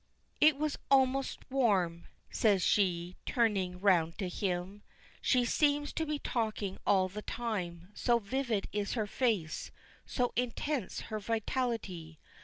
"It was almost warm," says she, turning round to him. She seems to be talking all the time, so vivid is her face, so intense her vitality.